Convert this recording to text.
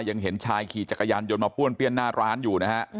เห็นชายขี่จักรยานยนต์มาป้วนเปี้ยนหน้าร้านอยู่นะฮะ